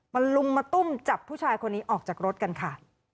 ลุมมาตุ้มจับผู้ชายคนนี้ออกจากรถกันค่ะ